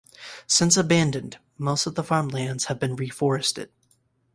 Since abandoned, most of the farmed lands have been re-forested.